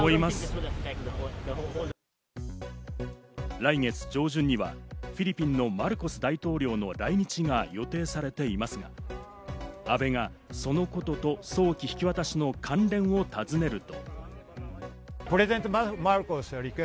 来月上旬にはフィリピンのマルコス大統領の来日が予定されていますが、阿部がそのことと早期引き渡しの関連を尋ねると。